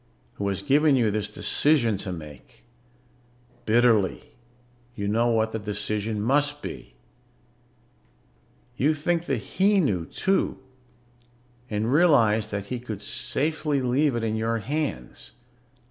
who has given you this decision to make. Bitterly, you know what the decision must be. You think that he knew, too, and realize that he could safely leave it in your hands.